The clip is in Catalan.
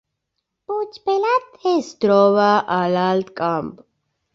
Puigpelat es troba a l’Alt Camp